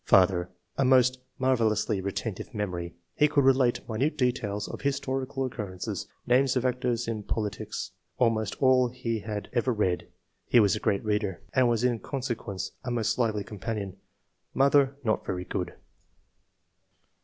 " Father — A most marvellously retentive memory ; he could relate minute details of his torical occurrences, names of actors in politics, almost all he had ever read (he was a great reader), and was in consequence a most lively companion. Mother — Not very good."